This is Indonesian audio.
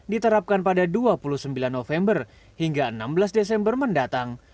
diterapkan pada dua puluh sembilan november hingga enam belas desember mendatang